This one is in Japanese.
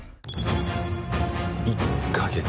１か月。